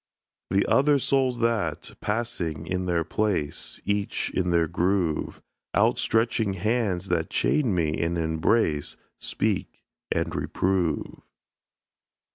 The other souls that, passing in their place, Each in their groove; Out stretching hands that chain me and embrace, Speak and reprove.